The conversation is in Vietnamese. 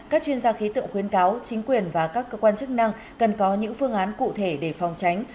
các chuyên gia khí tượng khuyến cáo chính quyền và các cơ quan chức năng cần có những phương án cụ thể để phòng tránh